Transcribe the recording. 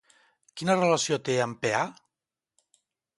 Quina relació té amb Peà?